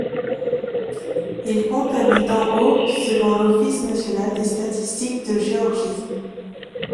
Il compte habitants au selon l'Office national des statistiques de Géorgie.